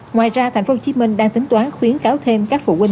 ngoài ra tp hcm đang tính toán khuyến cáo thêm các phụ huynh